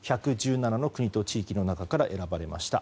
１１７の国と地域の中から選ばれました。